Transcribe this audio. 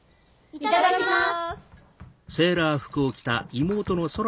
いただきます。